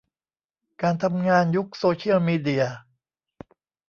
การทำงานยุคโซเซียลมีเดีย